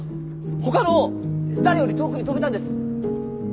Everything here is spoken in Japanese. ほかの誰より遠くに飛べたんです。